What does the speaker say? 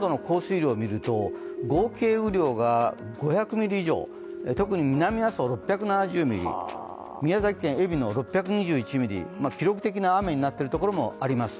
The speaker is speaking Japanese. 雨量を見ると合計雨量が５００ミリ以上、特に南阿蘇６７０ミリ宮崎県のえびの６２１ミリ、記録的な雨になっているところがあります。